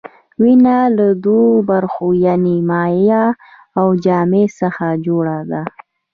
وینه له دوو برخو یعنې مایع او جامد څخه جوړه ده.